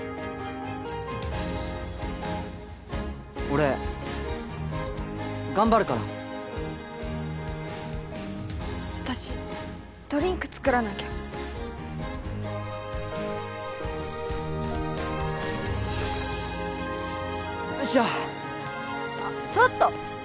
俺頑張るから私ドリンク作らなきゃよいしょあっちょっと！